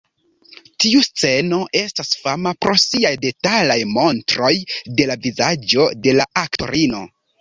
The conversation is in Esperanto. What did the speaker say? Tiu sceno estas fama pro siaj detalaj montroj de la vizaĝo de la aktorino.